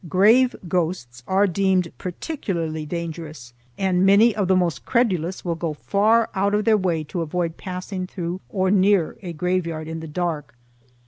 Grave ghosts are deemed particularly dangerous, and many of the most credulous will go far out of their way to avoid passing through or near a graveyard in the dark.